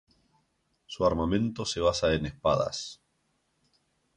Su armamento se basa en espadas.